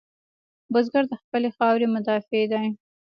بزګر د خپلې خاورې مدافع دی